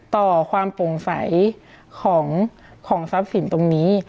ต่อความโปร่งใสของทรัพย์สินตรงนี้